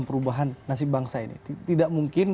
perubahan nasib bangsa ini tidak mungkin